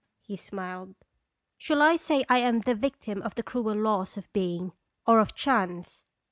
He smiled. " Shall I say I am the victim of the cruel laws of being, or of chance